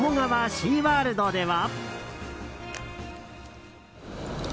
シーワールドでは。